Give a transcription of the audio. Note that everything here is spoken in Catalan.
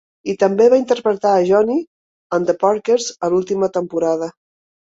I també va interpretar a "Johnnie" en "The Parkers" en l'última temporada.